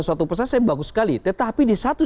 suatu pesan saya bagus sekali tetapi di satu